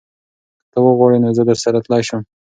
که ته وغواړې نو زه درسره تلی شم.